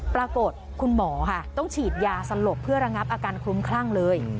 ปรากฏคุณหมอค่ะต้องฉีดยาสลบเพื่อระงับอาการคลุ้มคลั่งเลย